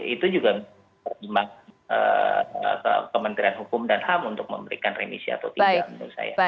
itu juga pertimbangan hukum dan ham untuk memberikan remisi atau tidak menurut saya